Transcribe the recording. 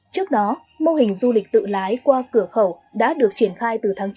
trước đó mô hình du lịch tự lái qua cửa khẩu đã được triển khai từ tháng chín